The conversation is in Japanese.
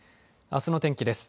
あすの天気です。